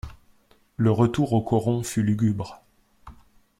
Le retour au coron fut lugubre.